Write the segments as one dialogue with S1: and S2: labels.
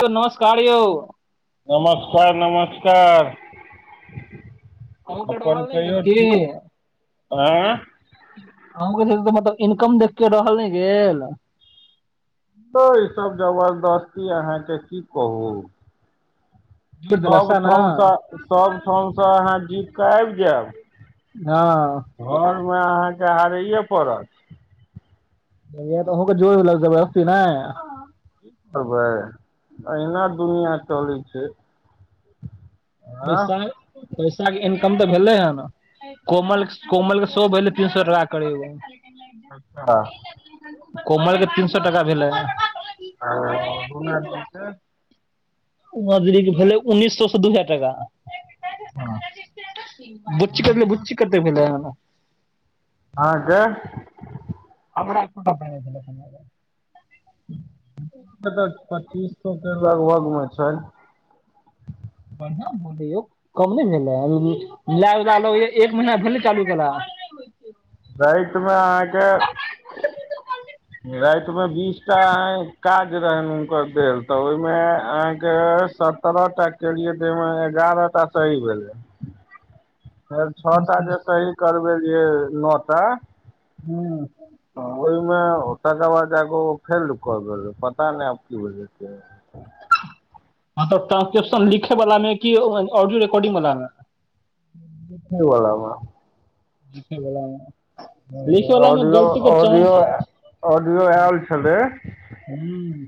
S1: यो नमस्कार यो।
S2: नमस्कार नमस्कार।
S1: अहुके
S2: अपन
S1: टहल लै गेल
S2: कहियौ
S1: कि?
S2: ठीक आँय यौ
S1: अहुके जेस मतलब इनकम देख के रहल नै गेल।
S2: दुउर इ सब जबरदस्ती अहाँके की कहू।
S1: जोड़ि देलक सैह ने
S2: सबठामसँ सबठाम सँ अहाँ जीत कऽ आबि जेएब
S1: हँ।
S2: घरमे अहाँके हारैये पड़त। की
S1: तैहिया तऽ अहुके जोइड़ देलक जबरस्ती नै।
S2: कि करबै अहिना दुनिया चलै छै। आँ
S1: पैसाल पैसाके इनकम तऽ भेले हेन। कोमलस कोमल सेहो भेलैय तीसरा करेबा
S2: अच्छा,
S1: कोमल के तीन सौ टका भेलै।
S2: [unintelligible]
S1: उमा दीदीके भेलै उन्नीस सौ सँ दू हजार टका।
S2: हँ,
S1: बुच्ची क
S2: अहाँके
S1: बुच्ची कते भेलऽ?
S2: आदर्श
S1: [unintelligible]
S2: [unintelligible] पच्चीस सो के लगभग मे छैय।
S1: बढ़िया भेलै यौ कम नहि भेला ल लैब लऽ लगैया एक महीना भेलै चालू भेला।
S2: रातिमे अहाँके रातिमे बीसटा अहाॅं काज रहैन हुनकर देल तऽ ओहिमे अहाँके सत सतरह टा केलियै तयमे एगारह टा सही भेलै। ‍ फेर छऽ टा जे सही करबेलियै नऽ टा
S1: हुं।
S2: तऽ ओहिमे तकर बाद जाके ओ फेल्ड क गेलै पता नहि आब की भेलै से
S1: ट्रांसक्रिप्शन लिखे वाला मे कि ऑडियो रिकॉर्डिंग वला मे
S2: लिखै वला मे।
S1: लिखे वला मे लिखे वला मे
S2: ऑडियो
S1: गलती के
S2: ऑडियो
S1: चांस
S2: ऑडियो आयल छलै।
S1: हूँ।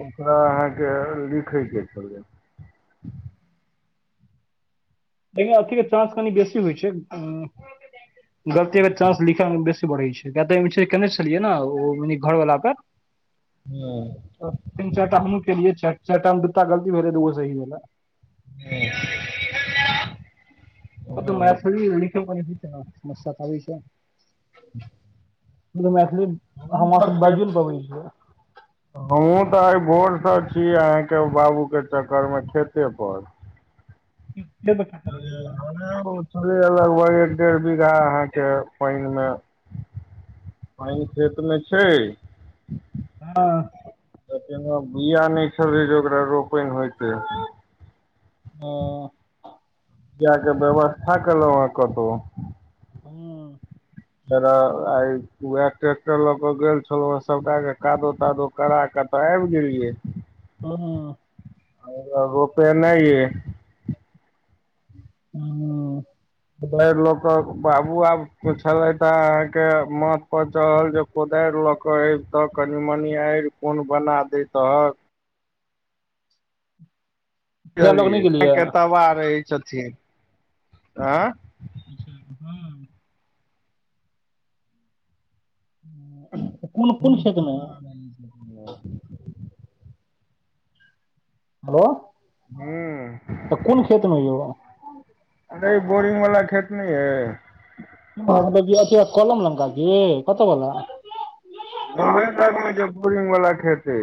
S2: ओकरा अहाँके लिखै के छलै।
S1: देखियौ अथी के चांस कनि बेसी होइ छै उं गलती के चांस लिखै मे बेसी बढ़ै छै। कियाकी तऽ एक बचे केने छलियै ने ओ घर वला पर।
S2: हुं।
S1: तीन चाइरटा हमहू केलयै चाइरटा में दूटा गलती भेलै दुगो सही भेलै।
S2: [inaudible]
S1: हॅं तऽ
S2: हूँ
S1: मैथिली लिखै में [unintelligible] समस्या तऽ आबै छै।
S2: [inaudible]
S1: [unintelligible] मैथिली हम
S2: हमहूँ
S1: अहाॅं सब
S2: खेत
S1: बाजियो नै पबै छियै।
S2: हमहूँ तऽ आइ भोरसँ छी अहांके बाबूके चक्करमें खेते पर।
S1: [unintelligible]
S2: नै ओ छलैये लगभग एक डेढ़ बीघा अहाँके पानि में पानि खेतमे छै
S1: हँ।
S2: तऽ केना बिया नै छलै जे ओकरा रोपैन होयतै।
S1: हॅं।
S2: बियाके व्यवस्था केलौं हन कतौ।
S1: हूं।
S2: फेरो आय उएह ट्रेक्टर लऽ कऽ गेल छलौं हन सबटा के कादो तादो कराके तऽ आबि गेलियै
S1: हँ।
S2: आय एकरा रोपेनाइ ये।
S1: हुं।
S2: भरि लोकक बाबू आब पूछलैथ अहाँके माथ पर चढ़ल जे कोदारि लऽ के एबितऽ कनि मनि आड़ि कोन बना दैतहक।
S1: डायलॉग नहि
S2: बुझलियै
S1: गेलियै
S2: [unintelligible] तबाह रहै छथिन, आंए।
S1: [inaudible] कोन कोन खेतमें।
S2: [inaudible]
S1: हलो।
S2: हूॅं।
S1: तऽ कोन खेत मे यौ।
S2: अरे बोरिंग वला खेत नहि अय।
S1: [unintelligible] कलम लंगका की कतऽ बला
S2: गामे लग मे जेे बोरिंग वाला खेत अछि।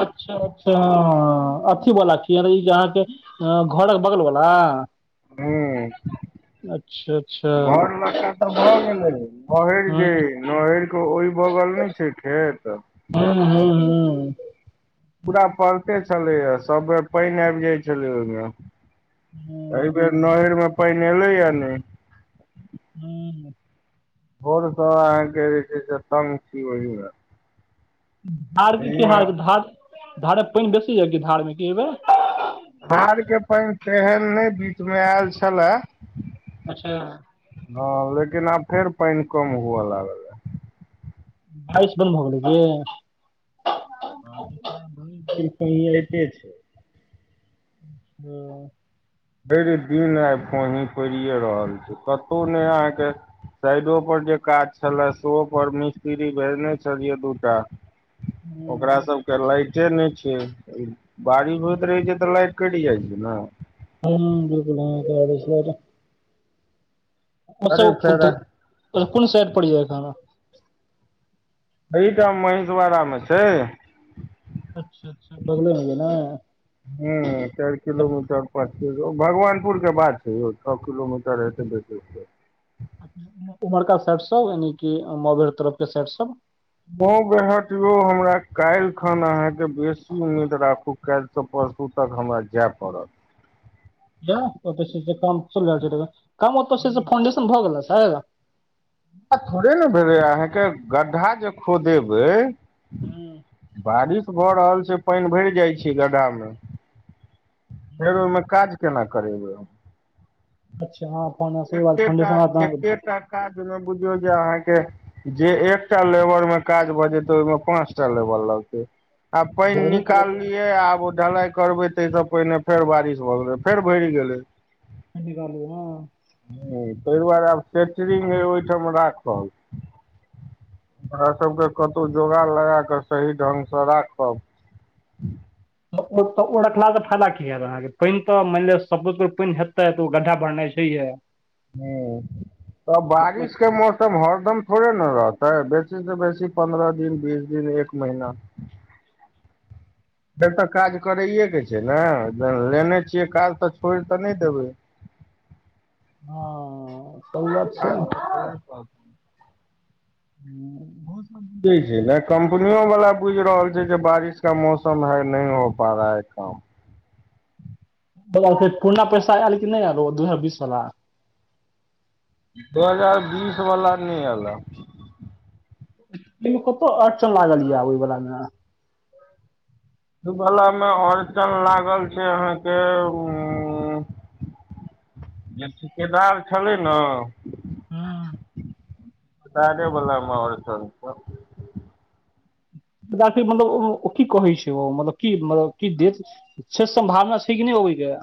S1: अच्छा! अच्छा! अथी बला छि, अरे ईजे अहाॅंके आ, घोड़क बगलवला।
S2: हँ।
S1: अच्छा
S2: घर लकका तऽ भऽ गेलै, बहरि
S1: हूँ
S2: जे नहर कऽ ओहि बगल नहि छै खेत।
S1: हँ- हँ। हँ।
S2: पूरा पड़ते छलैएा सब बेर पानि आबि जाइत छलै ओहिमे।
S1: हू।
S2: एहि बेर नहरमे पानि एलैया नहि।
S1: हू।
S2: भोर सब अहाँके जे छै से, तंग छी ओहि मे।
S1: धार क की हाल, धार धारक पानि बेसी आबि गेल क धार मे की अइबैर।
S2: धार के पानि तेहन नहि बीच मे आयल छलए।
S1: अच्छा।
S2: हँ, लेकिन आब फेर पानि कम हुअ लागल।
S1: बारिश बन्द भ गेले की।
S2: आइत भैर दिन पैन होइते छै।
S1: हँ।
S2: भरि दिन आइ पानी पड़िए रहल छै, कतहु नहि अहाँके साइडो पर जे काज छलला शोहो पर मिस्त्ररी भेजने छललिए दूटा। ओकरा
S1: की
S2: सबके लाइटे नहि छै। बारिश होइत रहै छै तऽ, लाइट कटि जाइ छै ने।
S1: हँ बिल्कुल हँ कै छैर। [unintelligible] ब
S2: अरे
S1: फन
S2: फेर
S1: कोन साइड पड़ जाय खान। [unintelligible]
S2: एहिठाम महिषवराामे छै।
S1: अच्छा! अच्छा! बगलेमे ने।
S2: पचीस भगवानपुरके बात छै यौ, छओ किलोमीटर हेतै बेसी
S1: उम्हाड़का साइड सँ यानि कि म तरफ के साइडट सँ।
S2: मऊ बेहट यौ हमरा काल्हि खन अहाँके बेसी उम्मीद राखू काल्हि त परसू तक हमरा जाय पड़त।
S1: ओ क काम ओऽ फाउंडेशन भऽ गेल। [unintelligible]
S2: थोड़े ने भेलै अहाँके गड्ढा जे खोदेेबै।
S1: हूँ
S2: बारिश भऽ रहल छै, पानि भरि जाइ छै गड्ढा मे। फेर ओहिमे
S1: हूँ
S2: काज केना करेबै हम।
S1: अच्छा हँ। [unintelligible]
S2: एकटा काज ओमे बुझियौ जे अहाँके। जे एकटा लेबर मे काज भऽ जेतै, ओहिमे पाँच टा लेबर लगतै। आ पानि निकाललियै
S1: गेल
S2: आब ओ ढलाई करबै तै सँ पहिने फेर बारिश भऽ गेलै, फेर भरि गेलै।
S1: सही कहलियै हँ।
S2: ह ताहि दुआरे आब सेटरिंग ओहिठाम राखल। ओकरा सबके कतहु जोगड़ लगा कऽ सही ढ्ंगसँ राखब।
S1: ओ रखला से फायदा की हयत अहाँके, पानि तऽ मानि लिअ सब पानि हेतै तऽ ओ गड्ढा भरनाइ छै। ठीक यै।
S2: हु तऽ
S1: हँ
S2: बारिश के मौ सम हरदम थोड़े ने रहतै बेसीसँ बेसी पन्द्रह दिन बीस दिन एक महिना। फेर तऽ काज करैये के छै ने लेने छियै काज तऽ छोड़ि तऽ नहि देबै।
S1: हँ
S2: काज तऽ करहे परत।
S1: हूँ
S2: बहुत [inaudible] बुझे छै ने कम्पनियों बला बुझि रहल छै जे बारिश का मौसम है नहीं हो पा रहा है काम
S1: ब [unintelligible] पूर्ना पैस ऐल कि नहि ऐल ओ दू हजार बीस बला
S2: दू हजार बीस बला नहि ऐला।
S1: एहिमे कतऽ अड़चन लागल यै। ओहि बला मे
S2: दुऽ बला मे अड़चन लागल छै अहाँके उ जे ठिकेदार छलै नऽ दारे बला माहोल [unintelligible]
S1: बाकी मतलब ओ ओ की कहै छै ओ मतलब की मतलब की देत छै सम्भावना छए कि‌ नहि अबैय के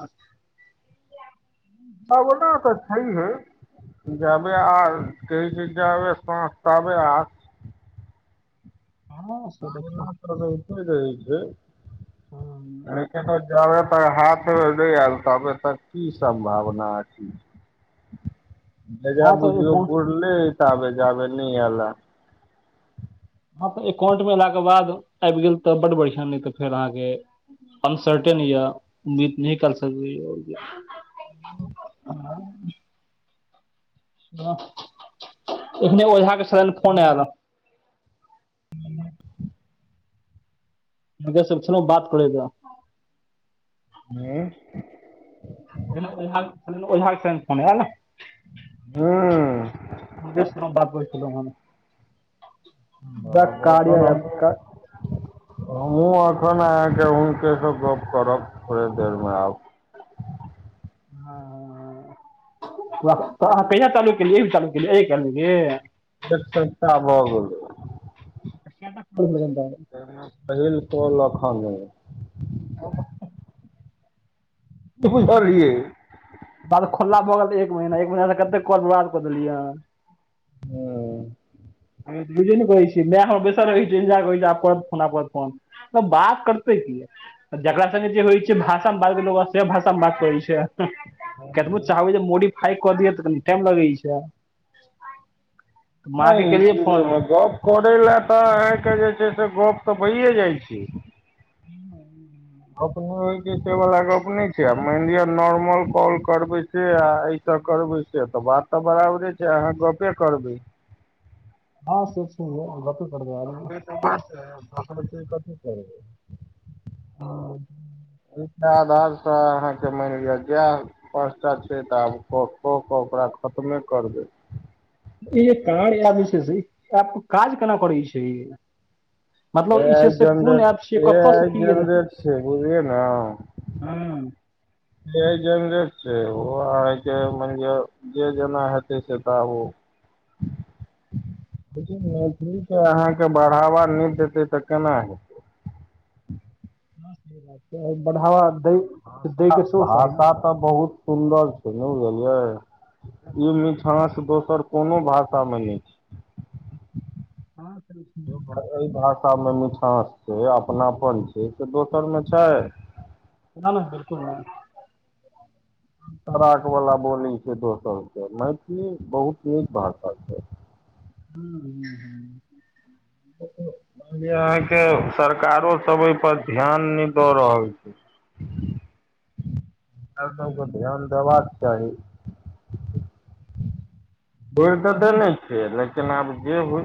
S2: बबना तऽ छैए है जाबे आस कहय छए जाबे साँस ताबे आस
S1: हँ से तऽ
S2: भाबना
S1: छै
S2: तऽ रहिते रहै छय। अहा के तऽ जाबे तक हाथ नहि आयल तबे तक की सम्भावना अछि। एकरा
S1: हँ तऽ
S2: बुझियौ
S1: एकाउंट
S2: बुरले तांबे जाबे नहि ऐले
S1: हँ तऽ एकाउंट मे ऐला के बाद आबि गेल तऽ बड बढ़िया नहि तऽ फेर अहाँके अनसर्टेन या उम्मीद नहि करसकबै यो ह ह एखने ओझा के छलनि फोन ऐल
S2: ह
S1: [unintelligible] बात करै लै
S2: [unintelligible]
S1: [unintelligible] ओझा के छलनि फोन ऐल
S2: हँ
S1: दुर्गेश सऽ हम बात करै छलौ है वै कार्य एप्प कऽ
S2: हमहु अखन अहाके सऽ गप करब थोड़े देर मे आब
S1: ह तऽ अहा कहिया चालू केलिये अयमे चालू केलिये [unintelligible]
S2: एक सपताह भ गेलए
S1: [inaudible]
S2: [unintelligible] पहिल कॉल एखन अय
S1: [unintelligible]
S2: बुझलियै
S1: बाद खुल्ला भऽ गेल एक महीना एक महीना से कतेक कल बर्बाद कऽ देलियै अहा
S2: हू
S1: बुझे ने कहै छिये मैय हमर बेसल रहै छै इन्तजार करै छय आब करत फोन आब करत फोन तऽ बात करते की जकरा संगै जे होइ छै भाषा मे बात से भाषा मे बात करै छै कतबो चाहबै जे मोडिफाय कऽ दि तऽ कनि टाइम लगे छै माँ के
S2: नहि
S1: केलियै
S2: जी
S1: फोन
S2: गप करै लए तऽ अहके जे छै से गप तऽ भइे जाइ छय।
S1: ह
S2: अपने होइ छै से वाला गप ने छै, आ मानि लिअ नॉर्मल कॉल करबे सै आ सब करबै से तऽ बात तऽ बराबरे छै, अहाँ गपे करबै।
S1: हँ से छै है गप्पे
S2: तऽ दस कथी करबै [unintelligible]
S1: ह
S2: एहिके आधार से अहाँके मानि लिअ जा पांसटा छै ता आब कऽ कऽ क ओकरा खतमे करबै।
S1: ई कार या जे छै से आ काज केना करै छै यौ।
S2: ए आइ जनरेट
S1: ऐप छियै
S2: ए
S1: कतऽ से
S2: आइ
S1: की एलै
S2: जनरेट छै बुझलिये नऽ,
S1: हँ
S2: एआई जनरेट छै, ओ आहाँ के मईन लिया, जे जेना हेतै, से त आब ओ देखिन मैथिलीके अहाँके बढ़ावा नै देतै तऽ केना हेतै।
S1: बढ़ावा
S2: एकटा
S1: दै- दैइ
S2: भाषा
S1: के सोहों चाही न।
S2: भाषा बहुत सुन्दर छै ने बुझलियै ई मिठास दोसर कोनो भाषामे नइ छय।
S1: हँ [inaudible]
S2: एहि भाषामे मिठास छै, अपनापन छै, से दोसरमे छैय
S1: नाह -नाह बिल्कुल नय
S2: तराकवला बोली छै, दोसरके मैथिली बहुत नीक भाषा छै।
S1: हू ह
S2: अहाँके सरकारो सब एहि पर ध्यान नहि दऽ रहल छै। चा सबके
S1: इएह
S2: ध्यान देबाक चाही। बुर त देनै छिय लेकिन आब जे होइ।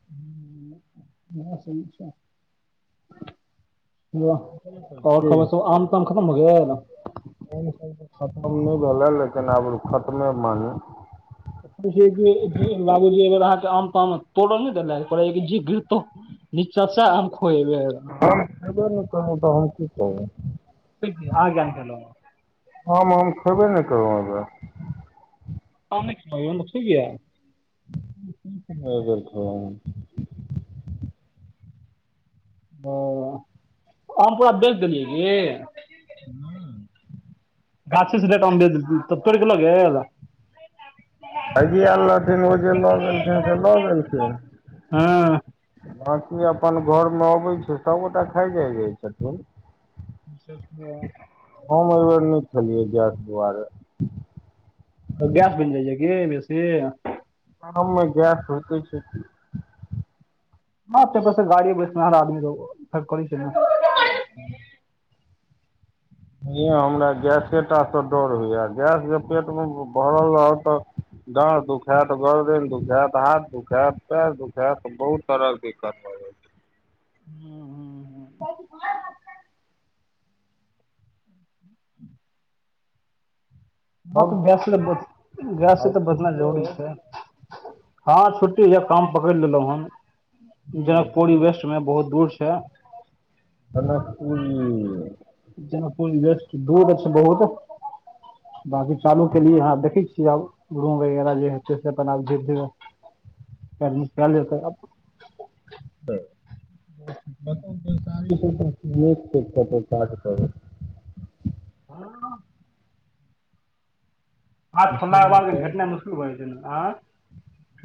S1: [unintelligible]
S2: कह [unintelligible]
S1: आओर खबर सब आम ताम खतम हो गेल
S2: [inaudible] खतम नइ भेलै लेकिन आब खतमे मानु
S1: जे - जे -जे लागऐ एबेर अहाँके आम ताम मे तोड़ ने देल्थ कहेऐ जे गिरतो। निचा सेह आम खो अइबैर
S2: हम खैबे ने करबो त हम की कहुं।
S1: ठीक छै आहाँ किया नै खेल्नु
S2: हम आम खैबे नहि केलहु एह बेर -
S1: आम ने खेलउ यो से किए [unintelligible]
S2: ब [unintelligible]
S1: ओ आम पूरा बेच देलियै की
S2: हुं [inaudible]
S1: गाछ रेट तऽ तोड़ क लोे [unintelligible]
S2: आजी आयल रहथिन ओ जे लऽ गेलखिन से लऽ गेलखिन
S1: हँ
S2: बाँछी अपन घरमे अबैत छै, सभगोटा खाइ जाइत रह छथिन। हम एहिवर नै खेलिए गैस दुआरे
S1: गैस बइन जाइ की बेसी
S2: हमें गैस होइते छै, की।
S1: ह त बस गाड़ी बैसना हर आदमी त फेर कर छैन।
S2: ह [inaudible] ऑनहिये हमरा गैसेटा से डर होइए गैस जे पेट मे भरल रहत त डारह दुखैत गर्दैन दुखैत हाथ दुखैत पैर दुखैत बहुत तरह के दिक्कत भऽ जाइ छै
S1: हम्म हुम्म्म [unintelligible] हँ त
S2: हम
S1: गैस ले गैस
S2: आइ
S1: त बदला
S2: सोचने
S1: जरूरी छै हँ छुट्टी लेब काम पकड़ लेलहुं हन
S2: रही
S1: जयपूरी वेस्ट ए मे बहुत दूर छै
S2: कनक पूरी
S1: जनक पूरी वैस्ट [unintelligible] बाकी चालू केएलि ह देखै छियै आब गुडगाँव जे राजे हेते आपन जेते अ कर्मी कइले करब
S2: [unintelligible]
S1: [unintelligible] हाथ छोड़ला के
S2: विसलमे
S1: बाद भेटनाइ मुश्किल भ जा छै ने आद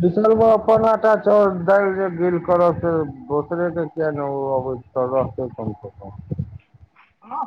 S2: बिसलबा अपन आटा चाउर दालि जे दूरकरत से दोसरे के किया ने ओ अबै छै सल्हते कम से कम
S1: हँ